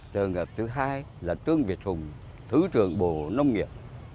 trường hợp thứ hai là trương việt hùng thứ trưởng bộ nông nghiệp